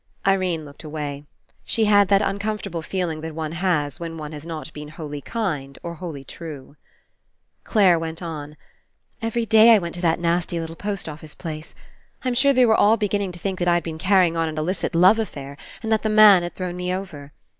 Irene looked away. She had that un comfortable feeling that one has when one has not been wholly kind or wholly true. 115 PASSING Clare went on: ''Every day I went to that nasty little post office place. I'm sure they were all beginning to think that I'd been carry ing on an illicit love affair and that the man had thrown me over.